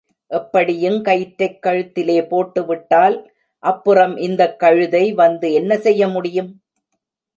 எப்படியுங் கயிற்றைக் கழுத்திலே போட்டுவிட்டால் அப்புறம் இந்தக் கழுதை வந்து என்ன செய்ய முடியும்?